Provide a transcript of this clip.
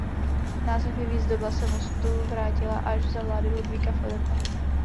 Název i výzdoba se mostu vrátila až za vlády Ludvíka Filipa.